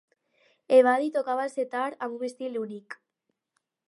Ebadi tocava el setar amb un estil únic.